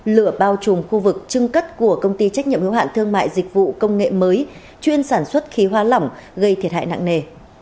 lửa bao trùm khu vực trưng cất của công ty trách nhiệm hiếu hạn thương mại dịch vụ công nghệ mới chuyên sản xuất khí hóa lỏng gây thiệt hại nặng nề